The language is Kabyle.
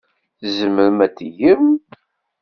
Tzemrem ad t-tgem.